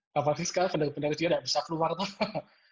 kapan sih sekarang bener bener dia gak bisa keluar tau